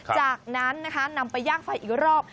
จากนั้นนำไปยากไฟอีกรอบ